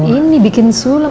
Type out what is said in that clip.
ini bikin sulam